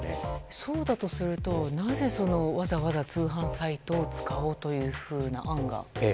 そうだとするとなぜ、わざわざ通販サイトを使おうというふうな案が？